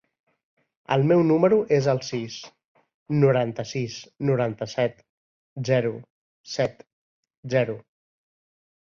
El meu número es el sis, noranta-sis, noranta-set, zero, set, zero.